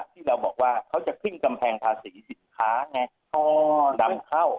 ที่เราบอกว่าเขาจะขึ้นกำแพงภาษีสินค้าไงนำเข้า